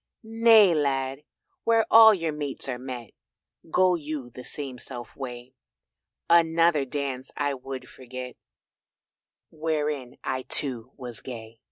"Nay, Lad, where all your mates are met Go you the selfsame way, Another dance I would forget Wherein I too was gay."